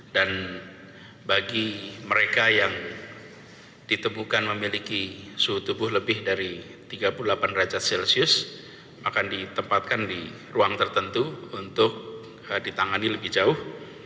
dan bagi mereka yang ditemukan memiliki suhu tubuh lebih dari tiga puluh delapan derajat celcius akan ditempatkan di ruang tertentu untuk ditangani lebih jauh